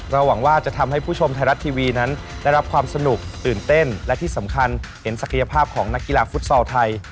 หวังว่าจะทำให้ผู้ชมไทยรัฐทีวีนั้นได้รับความสนุกตื่นเต้นและที่สำคัญเห็นศักยภาพของนักกีฬาฟุตซอลไทย